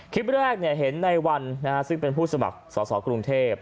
คลิปแรกเห็นในวันซึ่งเป็นผู้สมัครสอสอกรุงเทพ